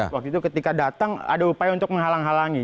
waktu itu ketika datang ada upaya untuk menghalang halangi